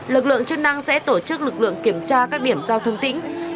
lực lượng chức năng sẽ tổ chức lực lượng kiểm tra các điểm giao thông tỉnh